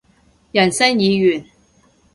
人生已完